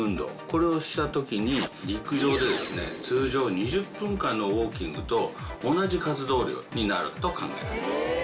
これをした時に陸上でですね通常２０分間のウォーキングと同じ活動量になると考えられます。